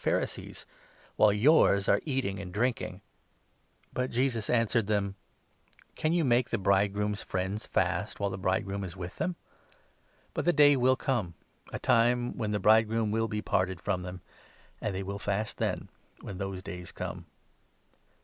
Pharisees, while yours are eating and drinking ! 2* Dan. 7. 13. 116 LUKE, 5—6. But Jesus answered them : 34 "Can you make the bridegroom's friends fast while the bridegroom is with them ? But the days will come — a time 35 when the bridegroom will be parted from them ; and they will fast then, when those days come."